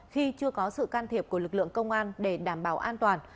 khi chưa có sự can thiệp của lực lượng công an để đảm bảo an toàn